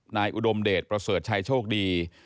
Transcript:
อุดมเดชประเสริฐชัยโชคดี